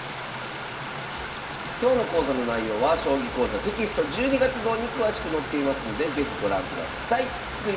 今日の講座の内容は「将棋講座」テキスト１２月号に詳しく載っていますので是非ご覧ください。